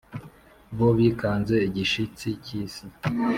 Bo bikanze igishitsi cy'isi,